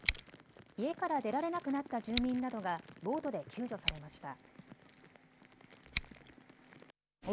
家から出られなくなった住民などがボートで救助されました。